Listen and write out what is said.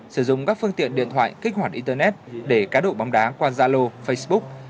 sử dụng các phương tiện điện thoại kích hoạt internet để cá độ bóng đá qua zalo facebook